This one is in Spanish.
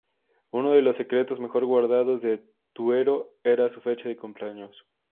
Uno de los secretos mejor guardados de Tuero era su fecha de cumpleaños.